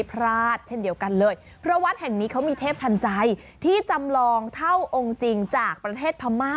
ไปกันต่ออีกหนึ่งที่สำหรับใครที่อยากจะกราบว่า